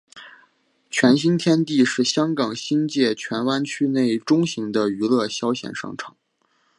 荃新天地是香港新界荃湾区内中型的娱乐消闲商场。